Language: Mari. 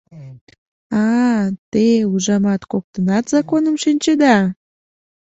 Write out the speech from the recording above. — А-а, те, ужамат, коктынат законым шинчеда!